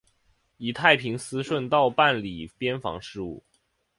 以太平思顺道办理边防事务。